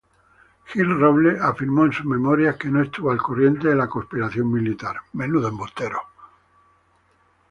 Gil-Robles afirmó en sus memorias que no estuvo al corriente de la conspiración militar.